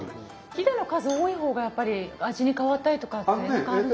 ひだの数多い方がやっぱり味に変わったりとかって何かあるんですか？